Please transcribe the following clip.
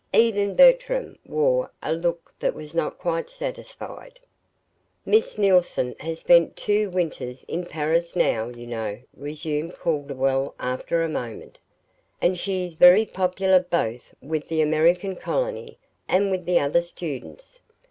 Even Bertram wore a look that was not quite satisfied. "Miss Neilson has spent two winters in Paris now, you know," resumed Calderwell, after a moment; "and she is very popular both with the American colony, and with the other students.